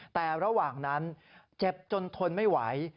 แต่ระหว่างนั้นเจ็บจนทนไม่ไหว